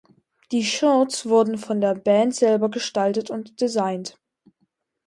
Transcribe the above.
Die Shirts wurden von der Band selber gestaltet und designt.